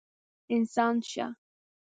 انسان شه!